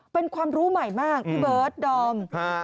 เป็นความรู้ใหม่มากพี่เบิร์ตดอม